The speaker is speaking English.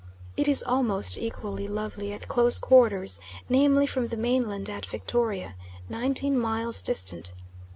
It is almost equally lovely at close quarters, namely from the mainland at Victoria, nineteen miles distant.